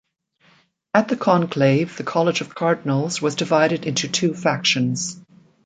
At the conclave, the College of Cardinals was divided into two factions.